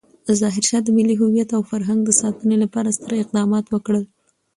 ظاهرشاه د ملي هویت او فرهنګ د ساتنې لپاره ستر اقدامات وکړل.